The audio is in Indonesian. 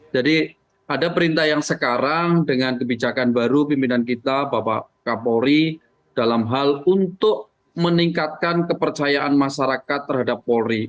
ada perintah yang sekarang dengan kebijakan baru pimpinan kita bapak kapolri dalam hal untuk meningkatkan kepercayaan masyarakat terhadap polri